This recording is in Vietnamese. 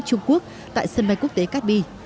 trung quốc tại sân bay quốc tế cát bi